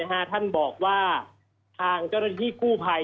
ท่านบอกว่าตามเจ้าร้านลี้คู่ภัย